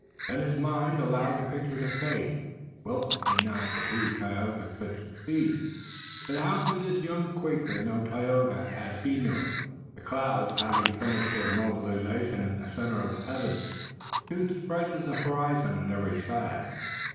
Then his mind allowed the picture to fade. Wilton might not believe Tayoga could succeed, but how could this young Quaker know Tayoga as he knew him? The clouds, having finished their mobilization in the center of the heavens, soon spread to the horizon on every side.